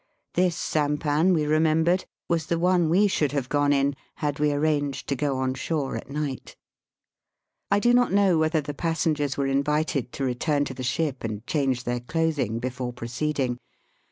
This sampan, we remembered, was the one we should have gone in had we arranged to go on shore at night. I do not know whether the passengers were invited to return to the ship and change their clothing before proceeding.